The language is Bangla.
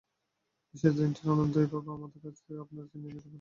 বিশেষ দিনটির আনন্দ এভাবে আমার কাছ থেকে আপনারা ছিনিয়ে নিতে পারেন না।